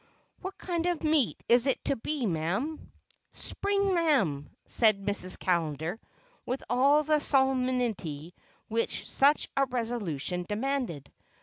"What kind of meat is it to be, ma'am?" "Spring lamb," said Mrs. Callender with all the solemnity which such a resolution demanded.